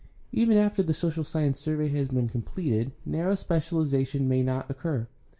Even after the social science survey has been com pleted narrow specialization may not occur.